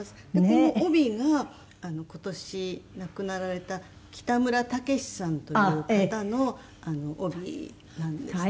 この帯が今年亡くなられた北村武資さんという方の帯なんですね。